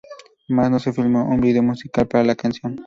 Más no se filmó un video musical para la canción.